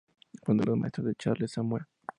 Fue uno de los maestros de Charles Samuel.